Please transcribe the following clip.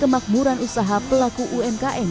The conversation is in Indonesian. makmuran usaha pelaku umkm